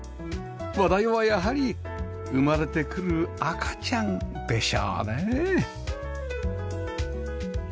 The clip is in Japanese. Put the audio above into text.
話題はやはり生まれてくる赤ちゃんでしょうね